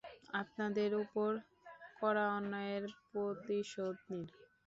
আপনাদের উপর করা অন্যায়ের প্রতিশোধ নিন!